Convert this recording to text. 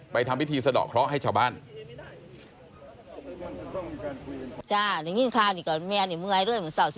ทำพิธีสะดอกเคราะห์ให้ชาวบ้าน